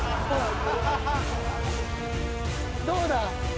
どうだ？